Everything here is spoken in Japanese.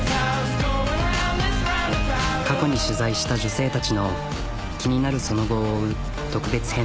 過去に取材した女性たちの気になるその後を追う特別編。